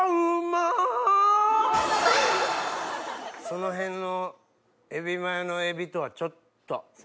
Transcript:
その辺のエビマヨのエビとはちょっと。